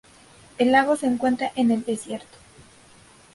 El lago se encuentra en el desierto.